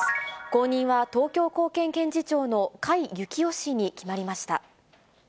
後任は東京高検検事長の甲斐行夫氏に決まりました。